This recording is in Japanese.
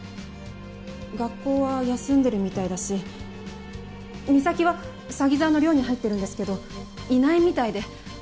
学校は休んでるみたいだし岬は鷺沢の寮に入ってるんですけどいないみたいで。